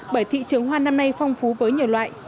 bởi thị trường hoa năm nay phong phú với nhiều loại